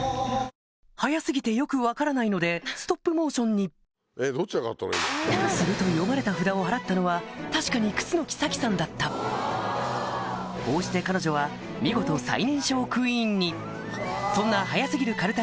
速過ぎてよく分からないのでストップモーションにすると読まれた札を払ったのは確かに楠木早紀さんだったこうして彼女は見事最年少クイーンにそんな速過ぎるかるた